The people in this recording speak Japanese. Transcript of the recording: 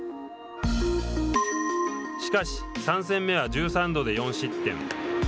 しかし、３戦目は１３度で４失点。